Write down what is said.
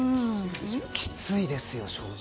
きついですよ、正直。